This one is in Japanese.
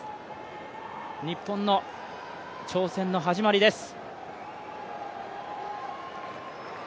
日本の挑戦の始まりです。